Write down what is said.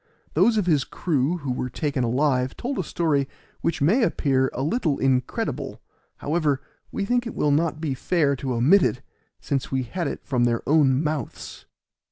Those of his crew who were taken alive told a story which may appear a little incredible; however, we think it will not be fair to omit it since we had it from their own mouths.